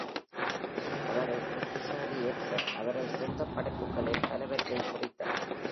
அவர் ஒரு புத்திசாலி எட்சர், அவரது சொந்த படைப்புகளில் பலவற்றை பொறித்தார்.